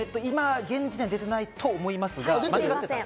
現時点で出てないと思いますが。